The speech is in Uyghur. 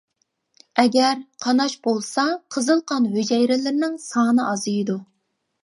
ئەگەر قاناش بولسا قىزىل قان ھۈجەيرىلىرىنىڭ سانى ئازىيىدۇ.